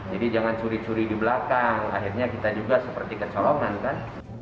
jadi jangan curi curi di belakang akhirnya kita juga seperti kecolongan kan